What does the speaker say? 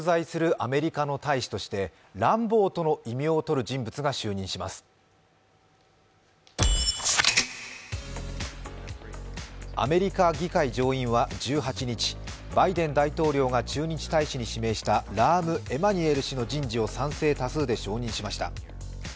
アメリカ議会上院は１８日バイデン大統領が駐日大使に指名したラーム・エマニュエル氏の人事を賛成多数で承認しました。